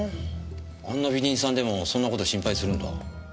あんな美人さんでもそんなこと心配するんだ。